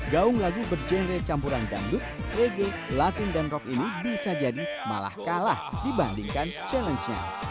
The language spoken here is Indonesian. gaung lagu berjenre campuran dangdut rege latin dan rock ini bisa jadi malah kalah dibandingkan challenge nya